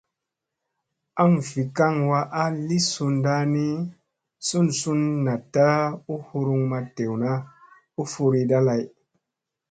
Aŋ vi kaŋ wa a li sunɗa ni, sun sun naɗta u huruŋ ma dewna u furiɗa lay.